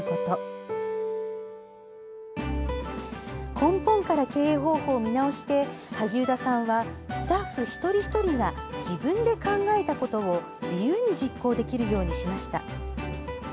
根本から経営方法を見直して萩生田さんはスタッフ一人一人が自分で考えたことを自由に実行できるようにしました。